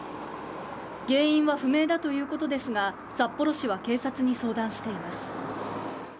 原因は不明だということですが札幌市は警察に相談しています。